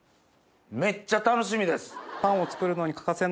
めっちゃ楽しみです。